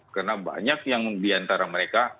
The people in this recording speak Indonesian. karena banyak yang diantara mereka